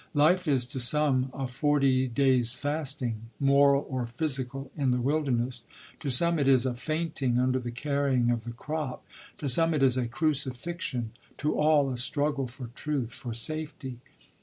Life is to some a forty days' fasting, moral or physical, in the wilderness; to some it is a fainting under the carrying of the crop; to some it is a crucifixion; to all, a struggle for truth, for safety.